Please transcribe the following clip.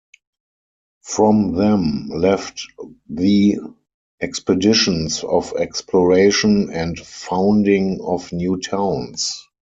From them left the expeditions of exploration and founding of new towns.